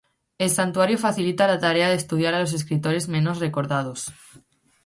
El santuario facilita la tarea de estudiar a los escritores menos recordados.